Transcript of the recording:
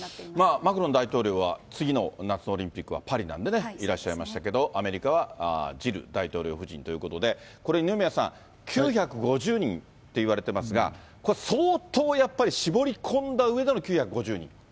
マクロン大統領は、次の夏のオリンピックはパリなのでね、いらっしゃいましたけど、アメリカはジル大統領夫人ということで、これ、二宮さん、９５０人っていわれてますが、これ、相当やっぱり絞り込んだうえでの９５０人。